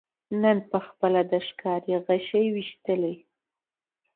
نن پخپله د ښکاري غشي ویشتلی